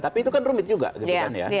tapi itu kan rumit juga gitu kan ya